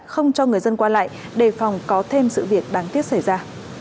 không cho người dân qua lại đề phòng có thêm sự việc đáng tiếc xảy ra